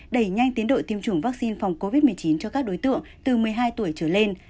đẩy nhanh tiến độ tiêm chủng vaccine phòng covid một mươi chín cho các đối tượng từ một mươi hai tuổi trở lên